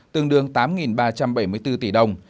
tương đương tám ba trăm bảy mươi bốn tỷ đồng